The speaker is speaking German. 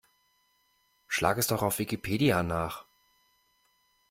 Schlag es doch auf Wikipedia nach!